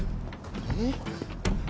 えっ？